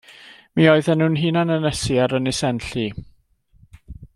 Mi oeddan nhw'n hunan-ynysu ar Ynys Enlli.